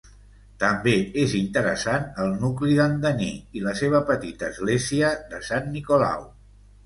També és interessant el nucli d'Andaní i la seva petita església de Sant Nicolau.